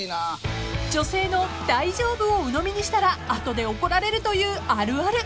［女性の「大丈夫」をうのみにしたら後で怒られるというあるある］